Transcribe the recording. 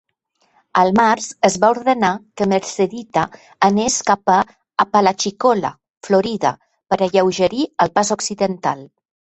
Al març, es va ordenar que "Mercedita" anés cap a Apalachicola, Florida, per alleugerir el pas occidental.